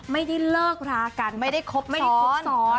ไม่ได้เลิกรากันไม่ได้ครบซ้อน